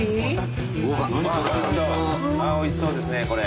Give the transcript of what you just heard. おいしそうですねこれ。